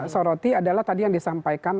soroti adalah tadi yang disampaikan